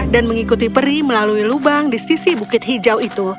dan mengikuti peri melalui lubang di sisi bukit hijau itu